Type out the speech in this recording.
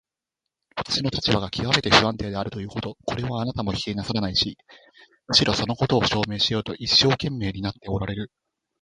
私の立場がきわめて不安定であるということ、これはあなたも否定なさらないし、むしろそのことを証明しようと一生懸命になっておられる。